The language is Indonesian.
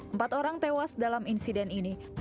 empat orang tewas dalam insiden ini